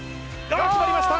決まりました！